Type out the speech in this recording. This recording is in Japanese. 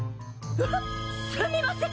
わっ、すみません。